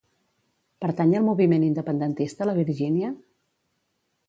Pertany al moviment independentista la Virginia?